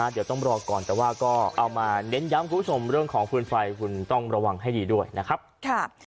เดี๋ยวต้องรอก่อนแต่ว่าก็เอามาเน้นย้ำคุณผู้ชมเรื่องของฟืนไฟคุณต้องระวังให้ดีด้วยนะครับ